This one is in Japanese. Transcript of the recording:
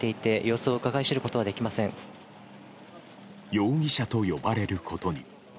容疑者と呼ばれることに。